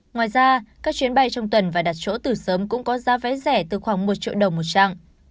ngoài ra các chuyến bay trong tuần và đặt chỗ từ sớm cũng có giá vé rẻ từ khoảng một triệu đồng một chặng